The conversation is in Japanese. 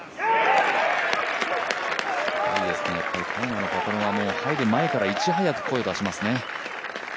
タイガーのパトロンは入る前からいち早く声を出しますね。